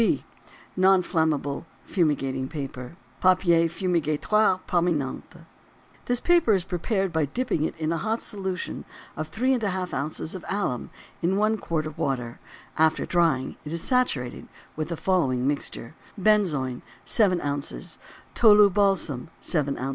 B. NON INFLAMMABLE FUMIGATING PAPER. Papier Fumigatoire Permanent. This paper is prepared by dipping it in a hot solution of 3½ oz. of alum in one quart of water; after drying, it is saturated with the following mixture: Benzoin 7 oz. Tolu balsam 7 oz.